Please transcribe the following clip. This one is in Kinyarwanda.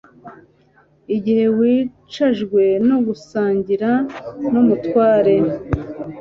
igihe wicajwe no gusangira n'umutware